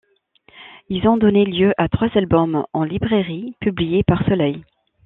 Ils ont donné lieu à trois albums en librairie publiées par Soleil.